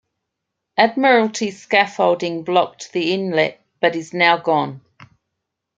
Admiralty scaffolding blocked the inlet, but is now gone.